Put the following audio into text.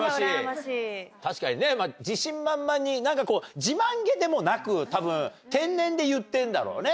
確かに自信満々に自慢げでもなく多分天然で言ってんだろうね。